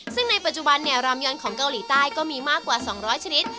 ซึ่งในปัจจุบันรามยอนของเกาหลีใต้ก็มีมากกว่า๒๐๐ชนิด